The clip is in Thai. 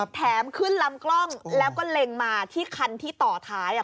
แถมขึ้นลำกล้องแล้วก็เล็งมาที่คันที่ต่อท้ายอ่ะ